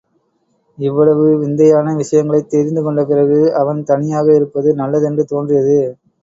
இவ்வளவு விந்தையான விஷயங்களைத் தெரிந்து கொண்ட பிறகு, அவன் தனியாக இருப்பது நல்லதென்று தோன்றியது.